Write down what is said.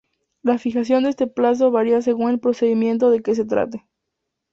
La fijación de este plazo varía según el procedimiento de que se trate.